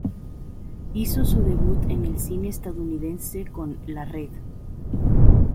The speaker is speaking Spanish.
Hizo su debut en el cine estadounidense con "La red".